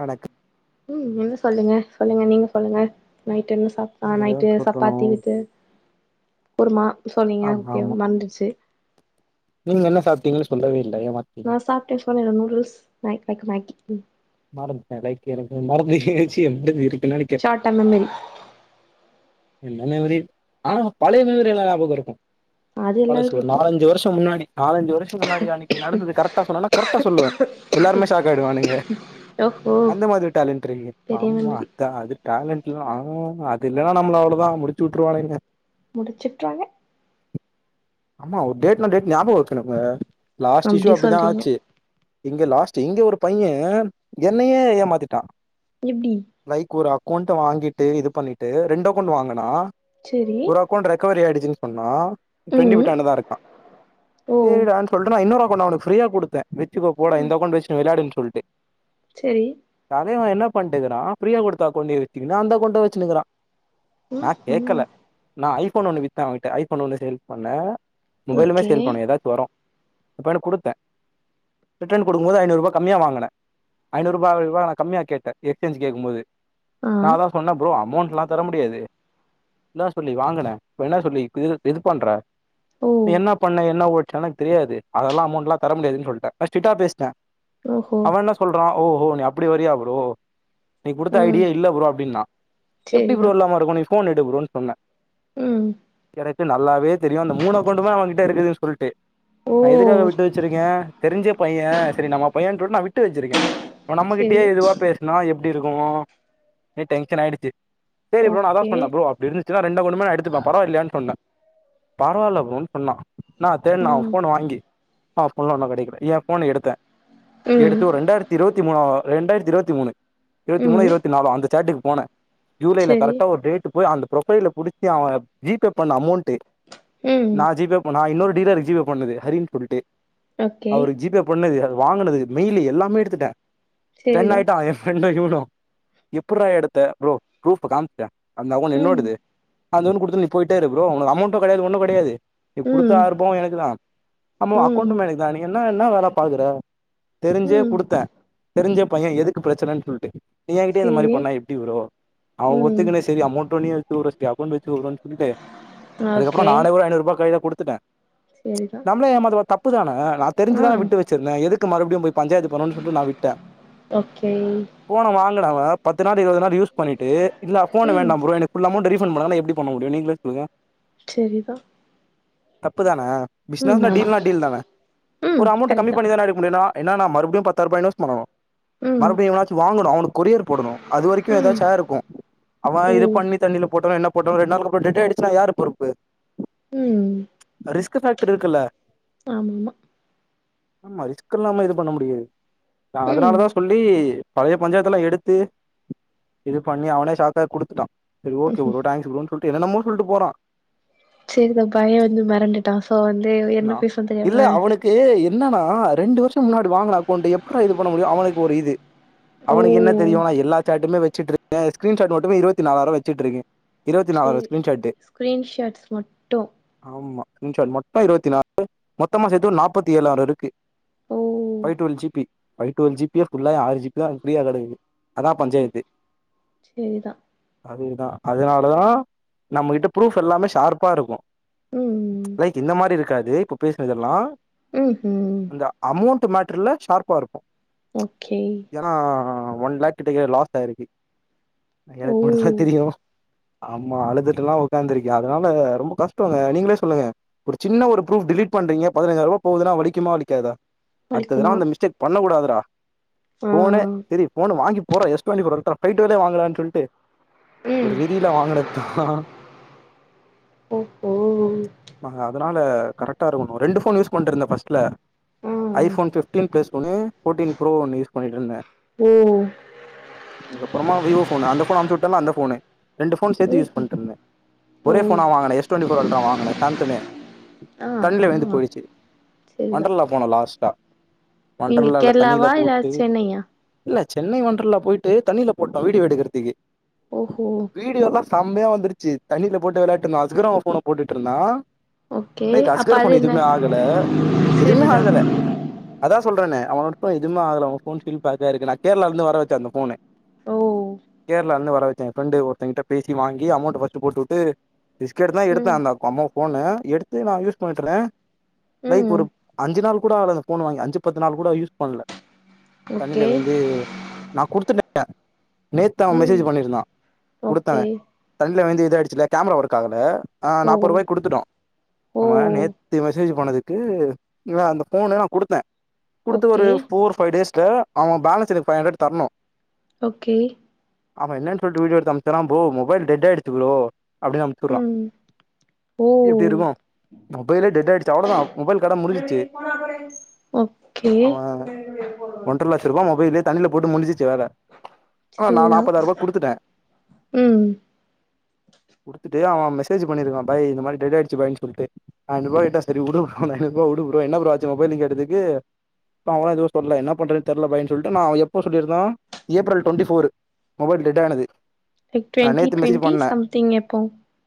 வணக்க ம் என்ன சொல்லுங்க சொல்லுங்க நீங்க சொல்லுங்க நைட் என்ன சாப் அ நீங்கதா நைட்டு சுட்டணு சப்பாத்தி வித்து குருமா சொன்னீங்க ஆமா ஓகே ஆமா மறந்துருச்சு நீங்க என்ன சாப்ட்டீங்கனு சொல்லவே இல்ல ஏ நா சாப்ட்டே சொன்னேனே நூடுல்ஸ் மே மேக் மேக்கி மறந்துட்டே லைக் எனக்கு மறந்துருச்சி அப்டிதா இருக்கு நனைக் ஷாட்டம் மெமரி என்ன மெமரி ஆனா பழைய மெமரில்லா ஞாபகோ இருக்கு அது பழசு எல்லாருக்கு ஒரு இருக்கு நாலஞ்சு வருஷ முன்னாடி நாலஞ்சு வருஷ முன்னாடி அன்னைக்கு நடந்து கரக்டா சொன்ன கரெக்டா சொல்லுவே எல்லாருமே ஷாக் ஆகிடுவானுங்க ஓஹோ அந்த மாதிரி ஒரு டேலண்ட் இருக்கு பெரிய ஆமா மெமரி தா அது டேலண்ட்லா அது இல்லைன்னா நம்மள அவ்வளோதா முடிச்சு விட்டுருவானுங்க முடிச்சுட்டுருவாங்க ஆமா ஒரு டேட் நா டேட் ஞாபகம் வக்கணுங்க லாஸ்ட் இஷ்யூ அப்டி அப்டிதா சொல்றீங்க ஆச்சு இங்க லாஸ்ட் இங்க ஒரு பைய என்னையே ஏமாத்திட்டா எப்டி லைக் ஒரு அக்கௌண்ட வாங்கிட்டு இது பண்ணிட்டு ரெண்டு அக்கௌண்ட் வாங்கனா செரி போன் ரெக்கவரி ஆயிடுச்சுன்னு சொன்னா ஃப்ரெண்டு ம் விட்டான்டா தா இருக்கா ஓ சேரிடான் சொல்றான் இன்னொரு அக்கவுண்ட் அவனுக்கு ஃப்ரீயா கு டுத்தே வச்சுக்கோ போடா ம் இந்த அக்கவுண்ட் வச்சு வெளெயாடுன்னு சொல்ட்டு செரி தலைவன் என்ன பண்ட்டுருக்கா ஃப்ரீயா குடுத்தா அக்கவுண்ட்டையு வச்சிகினு அந்த அக்கவுண்டையு வச்சுனுகிறா ம் நா ம் கேக்கல நா ஐஃபோன் ஒண்ணு வித்தே அவகிட்ட ஐஃபோன் ஒண்ணு சேல் பண்ணே மொபைலுமே ஓகே சேல் பண்ணு எதாச்சு வரு அப்பலு குடுத்தே ரிட்டன் குடுக்கும் போது ஐநூறு ரூபா கம்மியா வாங்கினே ஐநூறு ரூபா விட நா கம்மியா கேட்டே எக்ஸ்சேஞ் கேக்கும் போது ஆ நா அதா சொன்னே ப்ரோ அமௌண்ட்ல்லா தர முடியாது என்னா சொல்லி வாங்கின இப்ப என்ன சொல்லி இது பண்ற ஓ நீ என்ன பண்ண என்ன ஓடச்ச எனக்கு தெரியாது அதெல்லா அமௌண்ட்லா தர முடியாதுன்னு சொல்லிட்டே நா ஸ்டிட்டா பேசிட்டே ஓஹோ அவன் என்ன சொல்றா ஓஹோ நீ அப்டி வரியா ப்ரோ நீ குடுத்த ம் ஐடியா இல்ல ப்ரோ அப்படின்னான் எப்டி ப்ரோ சேரிதா இல்லாம இருக்கும் நீ ஃபோன் எடு ப்ரோன்னு சொன்னே ம் எனக்கு நல்லாவே தெரியு அந்த மூணு அகௌண்டுமே அவங்கிட்ட இருக்குதுன்னு சொல்ட்டு ஓ நா எதுக்காக விட்டு வச்சிருக்கே தெரிஞ்சே பைய சரி நம்ம பையன் சொல்லி நா விட்டு வச்சிருக்கே அவன் நம்மகிட்டேயே செரி இதுவா பேசு நா எப்டி இருக்குமோ டென்ஷன் ஆயிடுச்சு சேரி ப்ரோ நா அதா ஓகே சொன்னே ப்ரோ அ து இருந்துச்சுனா ரெண்டு அக்கௌண்டுமே நா எடுத்துப்பே பரவா இல்லயான்னு சொன்னே பரவாயில்ல ப்ரோனு சொன்னா நா தேட்னே அவன் ம் ஃபோன வாங்கி அ ஃபோன்ல ஒண்ண கிடைக்கல ஏ ஃபோன எடுத்தே ம் எடுத்து ரெண்டாயிரத்தி இருவத்தி மூனா ரெண்டாயிரத்தி இருவத்தி மூணு இருவத்தி மூணு ம் இருவ த்தி நாளு அந்த சேட்டுக்கு போனே ஜூலைல செரி கரெக்டா ஒரு டேட் போய் அந்த ப்ரொஃபைல பிடிச்சி அவன் ஜிபே பண்ண அமௌண்ட்டு ம் நா ஜிபே பண்ண இன்னொரு டீலரு ஜிபே பண்ணது ஹரின்னு சொல்லிட்டு ஓகே அவருக்கு ஜிபே பண்ணது வாங்குனது மெயில் எல்லாமே எடுத்துட்டே ஸ்டன் செரிதா ஆயிட்டான் ப்ரெண்டா இவனு எப்பறா எடுத்த ப்ரோ ப்ரூஃப் காமிஸ்டே அந்த அக்கௌண்டு ம் என்னோடுது அந்த ஒன்னு குடுத்துட்டு நீ போயிட்டே இரு ப்ரோ உங்களுக்கு அமௌண்ட்டு கெடையாது ஒண்ணு கெடையாது நீ குடுத்த ம் ஆறு பவுன் எனக்கு தா ஆமா ம் அக்கௌண்ட் எனக்கு தா நீங்க என்ன என்ன வேலை பாக்குற தெரிஞ்சே ம் குடுத்தே தெரிஞ்ச பைய எதுக்கு பிரச்சனன்னு சொல்ட்டு எங்க கிட்டயே இந்த மாரி செரி பண்ணா எப்டி ப்ரோ அவங்க ம் ஒத்துக்கன்னே சரி அமௌண்ட் ஒன்னி [unintelligible] ஒரு அகௌண்ட் வச்சு சொல்லிட்டு அதுக்கப்புறோ ஓகே நானே ஒரு ஐநூரூபா கைல குடுத்துட்ட சேரி தா ரொம்ப ஏமாத்துனா தப்பு தான நா தெரிஞ்சிதான விட்டு வச்சிருந்த எதுக்கு மறுபடியு போய் பஞ்சாயத்து போனன் சொல்ட்டு நா விட்ட ஓகே போன வாங்கினவ பத்து நாள் இருவது நாள் யூஸ் பண்ணிட்டு இல்ல அ போனு ம் வேண்டா ப்ரோ எனக்கு புல் அமோண்ட் ரீஃபன் பண்ணுங்கனா எப்டி பண்ணமுடியு நீங்களே சொல்லுங்க சேரிதா தப்பு தான ம் பிஸ்னஸ்னா ஆமா டீல்னா டீல் தான ம் ஒரு அமௌண்ட்ட கரெக்ட் கம்மி தா பண்ணி தான எடுக்க முடியு நா என்ன நா மறுபடியு பத்தாய்ரூபா இநன்ஸ் பண்ணணு ம் மறுபடியு எவனாச்சு வாங்கணு அவணு கொரியர் போடணு அது வரைக்கு ம் ஏதாச்சு ஆய்ருக்கு அவ ஓ இது பண்ணி தண்ணில போட்டானோ என்ன போட்டானோ ரெண்டு நாள்க்கு அப்றோ டெட் ஆய்டுச்சுனா யார் பொறுப்பு ம் ரிஸ்க்கு ஃபக்டர் இருக்குல்ல ஆமமா ஆமா ரிஸ்க் இல்லாம இது பண்ண முடியாது ம் அதனாலதா சொல்லி பழைய பஞ்சாயத்தலா எடுத்து இது பண்ணி அவனே சாக்காய் குடுத்துட்டா சரி ஓகே ப்ரோ டங்க்ஸ் ப்ரோன் சொல்ட்டு என்னன்னமோ சொல்ட்டு போறா சரிதா பைய வந்து மெறண்டுட்டா சோ வந்து என்ன பேசத் தெரியாம ஏ என்னனா ரெண்டு வருஷோ முன்னாடி வாங்குன அக்கௌண்ட எப்பிர்றா இது பண்ண முடியு அவனுக்கு ஒரு இது அவனுக்கு என்ன ஓ தெரியு நா எல்லா சாட்டுமே வச்சுட்ருக்க ஸ்கிரீன்ஷாட் மட்டுமே இருவத்தி நாலாயிரோ வச்சிட்டு இருக்க இருவத்தி நாலாயிறோ ஷ்க்ரீன்ஷாட்டு ஸ்க்ரீன்ஷார்ட்ஸ் மட்டு ஆமா ஸ்க்ரீன்ஷாட் மொத்தோ இருவத்தி நாலு மொத்தமா சேத்து ஒரு நாப்பத்தி ஏழ ஆறு இருக்கு ஓ by twelve G B by twelve ஜிபிய ஃபுல்லா ஆறு ஜி பி தா ஃப்ரீா கடக்கு அதா ஓ பஞ்சாயத்து சேரிதா அதேதா அதனாலதா நம்மகிட்ட ப்ரூஃப் எல்லாமே ஷார்ப்பா இருக்கு ம் லைக் இந்த மாரி இருக்காது இப்போ பேசினதெல்லா ம் ம் இந்த அமௌண்ட் மேட்டர்ல ஷார்பா இருக்கு ஓகே ஏனா ஒன் லேக் கிட்டக்க லாஸ் ஆய்ருக்கு ஓ எனக்கு மட்டு தா தெரியு ஆம்மா அழுதுட்டுல்லா உக்காந்துருக்க அதனால ரொம்ப கஷ்டோங்க நீங்களே சொல்லுங்க ஒரு சின்ன ஒரு ப்ரூப் டிலிட் பண்றீங்க பதினஞ்சாய்ரூபா போகுதுனா வலிக்குமா விலிக்காதா அடுத்த தடவ வலிக்குமா அந்த மிஸ்டேக் பண்ணக்கூடாதுடா ஆ போனே திரி போன வாங்கி போற எஸ் [unintelligible] வாங்கலான் சொல்ட்டு ஒரு ம் ரிதி ல்ல வாங்குனத்தா ஓஹோ ஆஹ அதனால கரெக்டா இருக்கணு ரெண்டு ஃபோன் யூஸ் பண்ட்டுருந்த பஸ்ட்ல ஆ ஐபோன் பிப்டீன் ப்ளஸ் பேனு போடீன் ப்ரோ ஒன்னு யூஸ் பண்ணிட்ருந்த ஓ அதுக்கப்புறமா விவோ போனு அந்த ஃபோன அம்ச்சு விட்டனா அந்த ஃபோனு ரெண்டு ஃபோன் சேத்து யூஸ் ம் பண்ணிட்டுருந்த ஓ ஒரே ஃபோனா வாங்குன எஸ் டுவெண்டி போர் அல்டரா வாங்குன சாம்சனு ஆ தண்ணில விழ்ந்து ஆ போயிடுச்சி சேரிதா வண்டரல்லா போன லாஸ்டா நீங்க வண்டர்லால தண்ணில கேரளாவா இல்ல போட்டு சென்னையா இல்ல சென்னை ஒன்டர்ல்லா போய்ட்டு தண்ணில போட்டோ வீடியோ எடுக்குறதுக்கு ஓஹோ வீடியோ எல்லா செம்யா வந்துருச்சு தண்ணியில போட்டு விளையாட்டு இருந்தோ அஸ்குரம போன போட்டுட்டு இருந்தா ஓகே [unintelligible] அப்ப அஸ்கர் அது போனு என்ன எதுவுமே ஆகல எதுவுமே சேரிதா ஆகல அதா சொல்றனே அவனோட போன் எதுமே ஆகல அவ போன்பில் பாக்க இருக்கு நான் கேரளால இருந்து வர வச்ச அந்த போனு ஓ கேரளா இருந்து வர வச்சே என் ஃப்ரெண்டு ஒருத்த கிட்ட பேசி வாங்கி அமௌண்ட் போட்டு விட்டு பிஸ்கெட்தா எடுத்த ம் அவன் போன எடுத்து நான் யூஸ் பண்ணிட்டுருந்த லைக் ம் ஒரு அஞ்சு நாள் கூட ஆகலை அந்த பேன் வாங்கி அஞ்சுபத்து நாள் கூட யூஸ் பண்ல தண்ணில ஓகே விலுந்து நா குடுத்துட்ட நேத்துதா அவ ம் மெசேஜ் பண்ணிருந்தா குடுத்த ஓகே தண்ணில விழுந்து இத ஆயிடுச்சுல கேமரா ஒர்க் ஆகல ஆ ஓ நாப்பது ரூபாய்கு குடுத்துட்டோ ஆமா ஓ நேத்து மெசேஜ் பண்ணதுக்கு இவ அந்த போன நா குடுத்தே குடுத்து ஓகே ஒரு போர் பைவ் டேஸ்ல அவ பேலன்ஸ் எனக்கு பைவ் ஹண்ட்ரெட் தரணு ஓக்கே அவ என்னனு சொல்லிட்டு வீடியோ எடுத்து அனுப்புனனோ ப்ரோ மொபைல் டெட் ஆயிருச்சி ப்ரோ அப்பிடி சுடுரா ம் ஓ எப்படி இருக்கு மொபைலே டெட் ஆயிடுச்சு அவளோதா மொபைல் கத முடிஞ்சிருச்சு ஓக்கே [unintelligible] ஒன்றரை லட்ச ரூபா மொபைலு தண்ணில போட்டு முடிஞ்சுச்சு வேல ஆ நா கேக்குதா நாப்பதாயிரூபா குடுத்துட்டே ம் து அவ மெசேஜ் பண்ணிருக்கா பாய் இந்த மாதிரி டெட் ஆயிடுச்சு பாய் சொல்லிட்டு ஐநூறு ரூபா கிட்டா சரி உடு ப்ரோ என்ன ப்ரோ ஆச்சு மொபைல்க்குன்னு கேட்டதுக்கு அவல்லா எதுவு சொல்லல்ல என்ன பண்றன்னு தெரல பாய்ன்னு சொல்லிட்டு நா அவ எப்போ சொல்லி இருந்தா April twenty four mobile dead ஆனது லைக் டுவெண்டி நேத்து மெசேஜ் டுவெண்டி பண்ணே சம்திங் எப்போ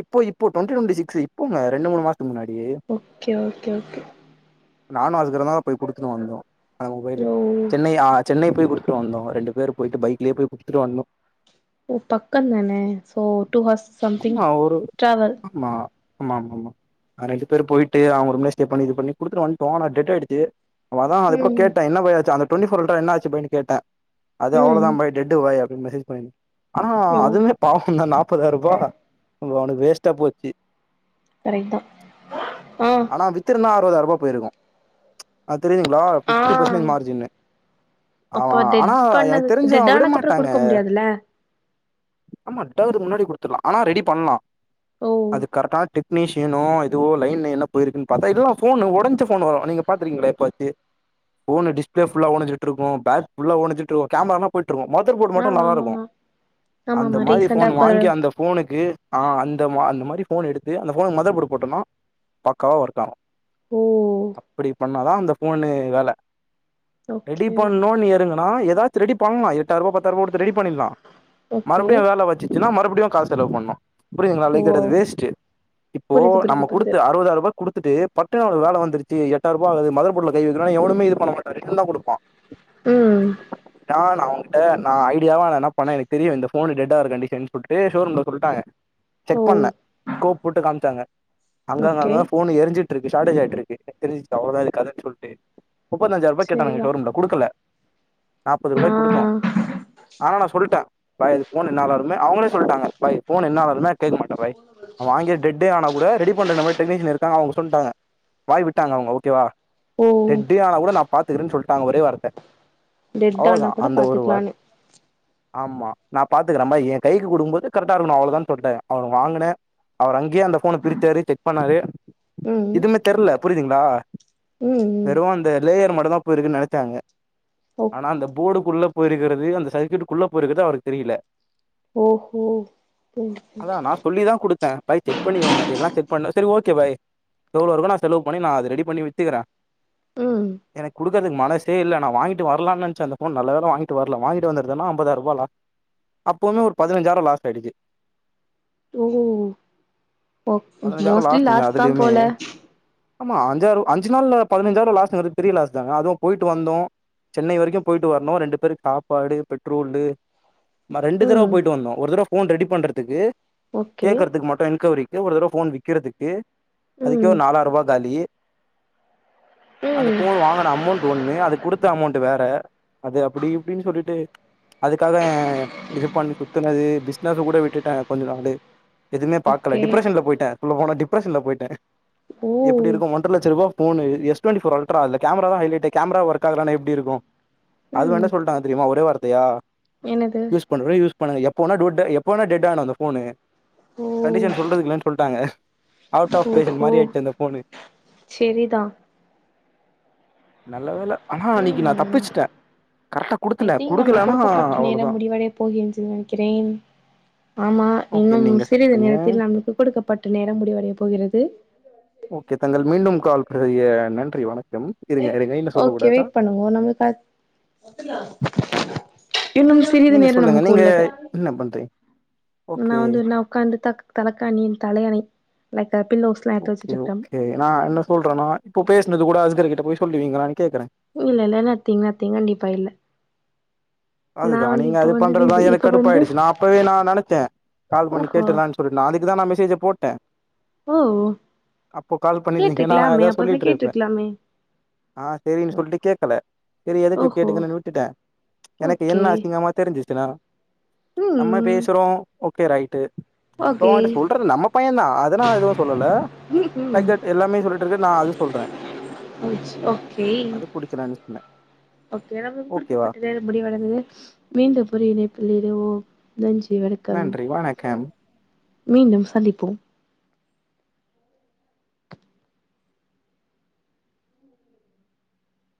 இப்போ இப்போ டுவண்டி டுவெண்டி சிக்ஸ் இப்பங்க ரெண்டு மூணு மாசத்து முன்னாடி ஓக்கே ஓக்கே ஓக்கே நானு அதுக்கிறந்த போய் குடுத்துட்டு வந்தோ அந்த மொபைல ஓ சென்னை ஆ சென்னை போய் குடுத்துட்டு வந்தோ ரெண்டு பேரு போயிட்டு பைக்லியே போய் குடுத்துட்டு வந்தோ ஓ பக்கந்தானே so two hours something travel மா ஆமா ஆமா ஆமா ஆ நான் ரெண்டு பேரும் போயிட்டு அவங்க ரூம்லேயே ஸ்டே பண்ணி இது பண்ணி குடுத்துட்டு வந்துட்டோம் ஆ டேட்டு ஆயிருச்சி அவதா அதுக்கு அப்பறோ ம் கேட்ட என்ன பாய் ஆச்சி அந்த டுவெண்டி போர்ல என்ன பாய் ஆச்சுன்னு கேட்டே அது ம் அவ்வளோதா பாய் டெட்டு பாய் அப்படின்னு மெசேஜ் பண்ணுருந்தா ஆனா ஓ அதுமே பாவம் தா நா முப்பதாயிரூபா அவனுக்கு வேஸ்ட்டா போச்சு கரெக்ட் தா ஆ நா வித்து இருந்த அறுபதாயிரூபா போயிருக்கு ம்ச் அது தெரியுதுங்களா ஆ பீப்டீ பெர்ஸண்டேஜ் மார்ஜின்னு அவ அப்போ டெட் ஆனா பண்ணது எனக்கு தெரிஞ்சு அவ டெட் ஆனக்கப்புறோ விடமாட்டாங்க குடுக்க முடியாதுல்ல ஆமா டெர்க்கு முன்னாடி கொடுத்துலா ஆனா ரெடி பண்ணலா ஓ அது கரெக்டான டிப் டெக்னீஷயனோ இதுவோ லைன் லைன்ல போயிருக்குன்னு பாத்தா எல்லா போன் ஒடஞ்ச போன் வரும் நீங்க பாத்து இருக்கீங்களா எப்பயிச்சு போன் டிஸ்பிலே புல்லா ஒடிஞ்சிட்டு இருக்கும் பேக் புல்லா ஒடிஞ்ட்டு இருக்கு கேமரா எல்லா போய்ட்டு இருக்கு மதர் போர்டு ஆ மட்டு நல்லா ஆமா இருக்கு ஆமா ஆமா அந்த ஆமா மாதிரி ரீசண்டா போன் கொ வாங்கி அந்த போனுக்கு அந்த அந்த மாதிரி போன் எடுத்து அந்த போனுக்கு மதர் போர்டு போட்டுடனா பக்காவா ஒர்க் ஆகு ஓ அப்படி பண்ணாதா அந்த போன்னு வேல ரெடி ஓகே பண்ணணும்னு இறங்கன்னா ஏதாச்சு ரெடி பண்ணலா எட்டாயிரமோ பத்தாயிரமோ குடுத்து ரெடி பண்ணிடலா ஓகே மறுபடியு வேல வச்சுச்சுன்னா மறுபடியு காசு செலவு பண்ணு புரியுதுங்களா ஓ லைக் தட் அது வேஸ்ட்டு இப்போ புரியுது புரியுது நம்ம புரியுது கொடுத்து அறுபதாயிர ரூபா குடுத்துட்டு பட்டுன்னு ஒரு வேல வந்துருச்சி எட்டார்ரபா ஆகாது மதர் போர்ட்ல கை வைகுனுனா எவனுமே இதுப் பண்ண மாட்டா ரிட்டன்தா குடுப்பா ம் டான் அவங்கிட் ட்ட நா ஐடியாவா நா என்னாப் பண்ணே எனக் தெரியு இந்த ஃபோனு டெட் ஆகற கண்டிஷன் சொல்ட்டு ஷோரூம்ல சொல்ட்டாங்க ஓ செக் பண்ணே ஸ்கோப் போட்டு காம்ச்சாங்க அங்க ஓகே நாங்க ஃபோன் எரிஞ்சிட் ட்ருக்கு ஷாட்டேஜ் ஆயிட்ருக்கு எனக்கு தெரிஞ்சிச்சி அவ்ளோதா இதுக் கதன் சொல்ட்டு முப்பத்தஞ்சாயிர்பா கேட்டானுங்க சரிதா ஷோரூம்ல குடுக்கல ஆ நாப்பதுருபாய்க் குடுத்தோ ஆனா நா சொல்ட்டே பாய் இந்த ஃபோன் என்னா வருமே அவுங்களேச் சொல்ட்டாங்க பாய் ஃபோன் என்னா வருமே கேக்க மாட்டே பாய் வாங்கியேட் டெட்டே ஆனா கூட ரெடி பண்ற நம் கிட்ட டெக்னிசியன் இருக்காங்க அவுங்க சொன்ட்டாங்க வாய் விட்டாங்க அவுங்க ஓகே வா ஓ டெட்டேயான கூட நாப் பாத்துகறேன் சொல்ட்டாங்க ஒரே வார்த்த டெட் அவளதா ஆனா கூட அந்த ஒரு வார்த் பாத்துக்கலான்னு ஆம்மா நாப் பாத்துக்கறம்பா எங் கைக் கு குடுக்கும் போது கர்ட்டா இருக்கனு அவளதான் சொல்ட்டே அவன வாங்கனே அவர் அங்கியே அந்த ஃபோன பிரிச்சாரு செக் பண்ணாரு ம் இதுமே தெர்ல புரியுதுங்ளா ம் ம் வெறு அந்த லேயர் மட்டுந்தா போயிருக்குன் நெனச்சாங்க ஓ ஆனா அந்தப் போர்டுக்குள்ள போயிருக்கிறது அந்த சர்க்யூட்டுக்குள்ள போயிருக்கிறது அவருக்கு தெரியில ஓஹோ புரியுது. அதா நா சொல்லிதா குடுத்தே பாய் செக் பண்ணிகோங்க எல்லா செக் பண்ணே செரி ஓகே பாய் எவ்ளோ இருக்கு நா செலவு பண்ணி நா அத ரெடி பண்ணி வித்துகுறே ம் எனக் குடுக்கறதுக் மனசே இல்ல நா வாங்கிட்டு வர்லான் நென்ச்சே அந்த ஃபோன் நல்ல வேல வாங்கிட்டு வர்ல வாங்கிட்டு வந்தனா அம்பதாயிர்பா லா அப்பவுமே ஒரு பதினஞ்சாயிர லாஸ் ஆயிடுச்சி ஓ ஓ பதினஞ்சாயிர மோஸ்ட்லி லாஸ்ங்க லாஸ் தா அதுலியுமே போல ஆமா அஞ்சாறு அஞ்சு நாள்ல பதினஞ்சாயிர லாஸ்ங்கறது பெரிய லாஸ் தான அதுவு போய்ட்டு வந்தோ சென்னை வரைக்கும் போயிட்டு வர்ணு ரெண்டு பேருக் சாப்பாடு பெட்ரோலு ம ரெண்டு ம் தரவப் போயிட்டு வந்தோ ஒரு தரவ ஃபோன் ரெடி பண்றதுக்கு ஓகே கேக்கறதுக்கு மட்டு என்கோரி கு ஒரு தரவ ஃபோன் விக்கிறதுக்கு அதுக்கே ம் ஒரு நாலாயிரபா காலி அந்த ம் ஃபோன் வாங்கன அமௌண்ட் ஒன்னு அதுப் குடுத்த அமௌண்ட்டு வேற அது அப்டி இப்டின் சொல்லிட்டு அதுக்காக இதுப் பண்ணி சுத் துனது பிஸ்னஸ கூட விட்டுட்டே கொஞ்ச நாளு எதுவுமே பாக்கல ஓகே டிப்ரஷன்ல போயிட்டே உள்ள போனா டிப்ரஷன்ல போய்ட்டே ஓ எப்டி இருக்கு ஒன்ற லட்சருபா phone S twenty four ultra அதல கேமராதா ஹலைட்டே கேமரா ஒர்க் ஆகலனா எப்டி இருக்கு அது ம் வேண்டா சொல்ட்டாங்க தெரியுமா ஒரே வார்த்தையா என்னது கொண்டு போய் யூஸ் பண்ணுங்க எப்ப வேணா டூட்டே எப்ப வேணா டெட் ஆகனு அந்த ஃபோனு ஓ கண்டிஷன் சொல்றதுக் கில்லன் சொல்ட்டாங்க அவுட் ஆஃப் பேஷன் ஓஹோ மாரி ஆயிட்ச்சு அந்த ஃபோனு செரிதா நல்ல வேல ஆனா அன்னைக்கு நா ம் தப்பிச்ட்டே கர்ட்டா குடுத்தலே குடுக்கலனா அவ்ளதா போ என்று நெனைக்கிறேன் ஆமா ஓகே இன்னும் நீங்க சிறிது சொல்லுங்க நேரத்தில் நமக்கு கொடுக்கப்பட் ட்ட நேரம் முடிவடையப் போகிறது ஓகே தங்கள் மீண்டும் கால்ப் பிறய்ய நன்றி வணக்கம் இருங்க இருங்க என்ன சொல்ல கூடாதா ஓ நமக்காது இன்னும் சிறிது நேரம் நமக்கு உள்ளது என்னப் பண்றிங் நா வந்து நா உக்காந்துத் தக் தலக்கானியின் தலையணை லைக்க பில்லோஸ் ஓகே ஓகே நா என்ன சொல்றனா இப்போ பேச்னது கூட அஸ்கர்கிட்ட போய் சொல்லுவிங்களானு கேக்கறே இல்ல இல்ல நத்தீங் நத்தீங் கண்டிப்பா இல்ல நா அதுதா வந்து நீங்க இப்ப அதுப் வந்து பண்றதா பிஸி எனக் இப்ப வந்து கடுப்பாயிடுச்சு நா அப்பவே நா நெனச்சே கால்ப் பண்ணி ஓஹோ கேட்டுல்லான்ச் பொரு நாளைக்குதா நா மெசேஜை போட்டே ஓ அப்போ கால் பண்ணிருந்தீங்கன்னா நா கேட்டுருக்கலாமே ஏதாவது அப்பவே சொல்லிட்டு இருப்பே கேட்டுருக்கலாமே ஆ செரினு சொல்லி கேகல செரி எதுக்கு ஓஹோ கேட்டுக்கன்னு விட்டுட்டே எனக்கு என்ன ஓகே அசிங்கமா தெரிஞ்சிச்சுன்னா நம்ம ம் பேசுறோ ஓகே ரைட்டு இப்ப ஓகே உண்ட்ட சொல்ற நம்ம பையன் தா அதுனால எதுவு சொல்லல ம்ஹும் லைக் தட் எல்லாமே சொல்லிட்டு இருக்கு நா அது சொல்றே இட்ஸ் ஓகே இப்ப நா என்ன சொன்னே ஓகே நமக்கு குடுக்கப்பட்ட நேரம் முடிவுவடைந்தது மீண்டும் புது இணைப்பில் இணைவோம் நன்றி வணக் நன்றி வணக்கம் மீண்டும் சந்திப்போம்